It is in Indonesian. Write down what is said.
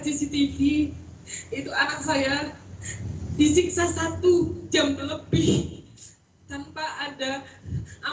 cctv itu anak saya disiksa satu jam lebih tanpa ada